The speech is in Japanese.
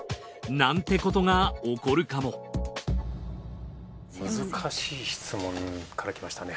なんてことが起こるかも難しい質問から来ましたね。